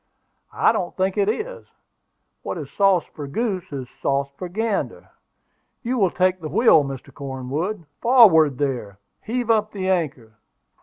"I don't think it is: what is sauce for goose is sauce for gander. You will take the wheel, Mr. Cornwood. Forward, there! Heave up the anchor."